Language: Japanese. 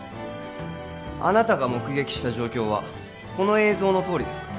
あなたが目撃した状況はこの映像のとおりですか？